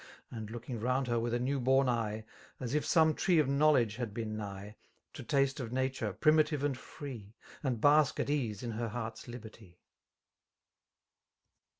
And looking, round her with a new bom eye, As if some tree of knowledge had been nigh» To taste of nature, primitive and free. And bask at ease in her heart's liberty.